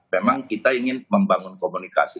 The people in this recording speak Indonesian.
memang kita ingin membangun komunikasi